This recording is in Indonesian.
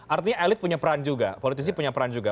artinya elit punya peran juga politisi punya peran juga